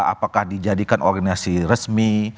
apakah dijadikan organisasi resmi